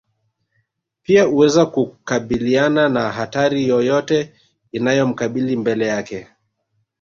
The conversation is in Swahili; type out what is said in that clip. pia uweza kukabiliana na hatari yoyote inayomkabili mbele yake